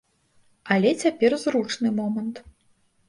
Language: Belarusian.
Але цяпер зручны момант.